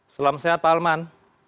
selamat sore pak alman